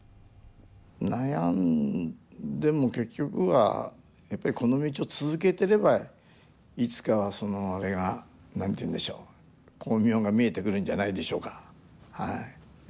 悩んでも結局はやっぱりこの道を続けてればいつかはそのあれが何て言うんでしょう光明が見えてくるんじゃないでしょうかはいええ。